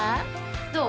どう？